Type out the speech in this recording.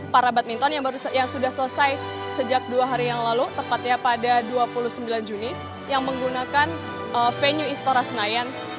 para badminton yang sudah selesai sejak dua hari yang lalu tepatnya pada dua puluh sembilan juni yang menggunakan venue istora senayan